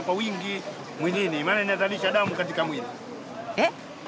えっ？